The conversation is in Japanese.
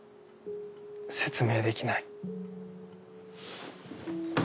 説明できない。